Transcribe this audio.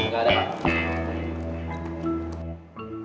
ga ada pak